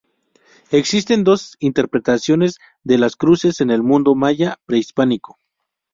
Existen dos interpretaciones de las cruces en el mundo maya prehispánico.